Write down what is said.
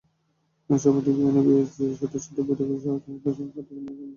সম্প্রতি ভিয়েনায় এনএসজির সদস্যদের বৈঠকে ভারতের সদস্যপদ নিয়ে কোনো সিদ্ধান্ত হয়নি।